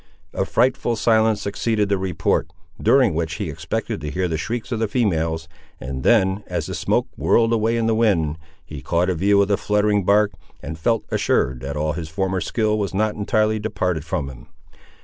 A frightful silence succeeded the report, during which he expected to hear the shrieks of the females, and then, as the smoke whirled away in the wind, he caught a view of the fluttering bark, and felt assured that all his former skill was not entirely departed from him.